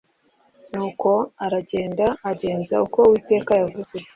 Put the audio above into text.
Nuko aragenda agenza uko Uwiteka yavuze